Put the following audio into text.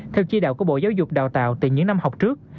theo chi đạo của bộ giáo dục đào tạo từ những năm học trước